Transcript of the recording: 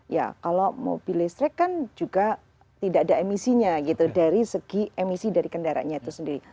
ya kalau mobil listrik kan juga tidak ada emisinya gitu dari segi emisi dari kendaraannya itu sendiri